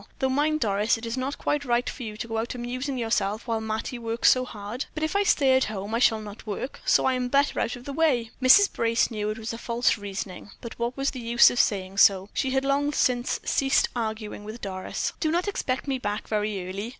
Though mind, Doris, it is not quite right for you to go out amusing yourself while Mattie works so hard." "But if I stay at home I shall not work, so I am better out of the way." Mrs. Brace knew it was false reasoning; but what was the use of saying so; she had long since ceased arguing with Doris. "Do not expect me back very early.